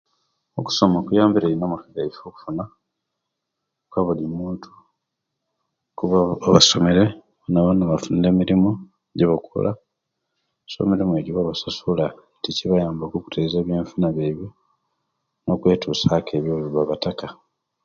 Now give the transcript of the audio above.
Okusoma kuyambire ino amaka gaisu okufuna kwabulimuntu kuba abasomere nga bafuna emirimu jokola kumirimu ejo babasasula chinayambaku okutereriya enfuna jaibwe nokwetusya ku ebiyo ebibabataka